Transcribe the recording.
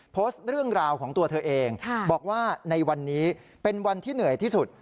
โพสต์เรื่องราวของตัวเธอเองบอกว่าในวันนี้เป็นวันที่เหนื่อยที่สุด